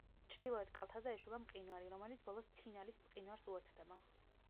ჩრდილოეთ კალთაზე ეშვება მყინვარი, რომელიც ბოლოს ცინალის მყინვარს უერთდება.